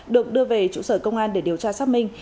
được đưa về trụ sở công an để điều tra xác minh